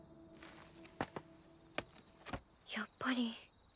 やっぱり。